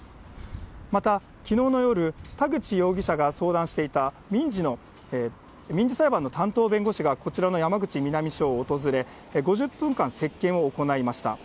また、きのうの夜、田口容疑者が相談していた民事の、民事裁判の担当弁護士がこちらの山口南署を訪れ、５０分間接見を行いました。